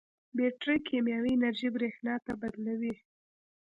بیټرۍ کیمیاوي انرژي برېښنا ته بدلوي.